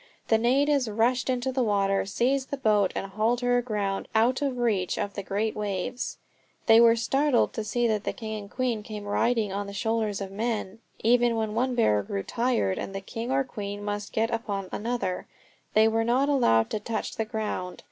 The natives rushed into the water, seized the boat and hauled her aground out of reach of the great waves. They were startled to see the king and queen come riding on the shoulders of men. Even when one bearer grew tired and the king or the queen must get upon another, they were not allowed to touch the ground.